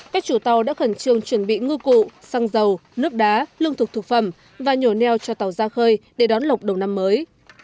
các chủ tàu đã khẩn trương chuẩn bị ngư cụ xăng dầu nước đá lương thực thực phẩm và nhổ neo cho tàu ra khơi để đón lọc đầu năm mới